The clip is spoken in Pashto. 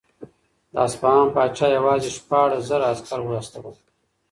د اصفهان پاچا یوازې شپاړس زره عسکر واستول.